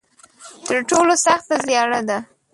تر ټولو سخته زیاړه ده.